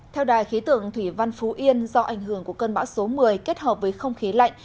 theo đài khí tượng thủy văn phú yên do ảnh hưởng của cơn bão số một mươi kết hợp với không khí lạnh